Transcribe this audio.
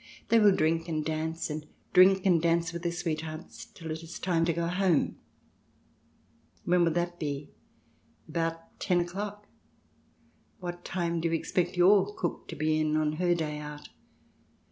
They will drink and dance, and drink and dance with their sweethearts till it is time to go home." " When will that be ?" "About ten o'clock. What time do you expect your cook to be in on her day out